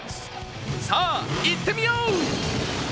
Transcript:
さぁ、いってみよう！